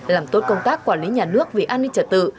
làm tốt công tác quản lý nhà nước về an ninh trật tự